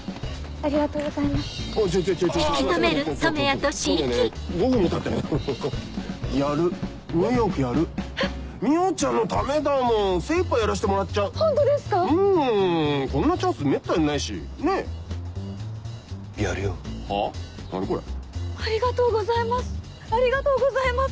ありがとうございますありがとうございます。